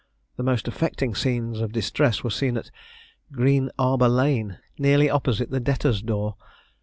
The most affecting scene of distress was seen at Green Arbour Lane, nearly opposite the Debtor's door.